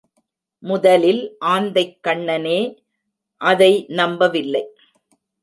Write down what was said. முதலில் ஆந்தைக்கண்ணனே அதை நம்பவில்லை.